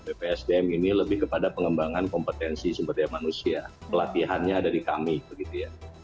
bpsdm ini lebih kepada pengembangan kompetensi sumber daya manusia pelatihannya dari kami begitu ya